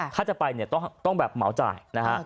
ถ้าจะไปต้องแบบเหมาจ่าย